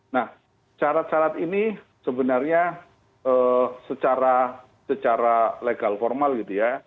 nah syarat syarat ini sebenarnya secara legal formal gitu ya